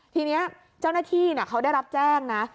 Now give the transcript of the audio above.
ทีนี้เจ้าหน้าที่เขาได้รับแจ้งนะ